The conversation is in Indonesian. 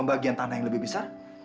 masih lanjut vnd masa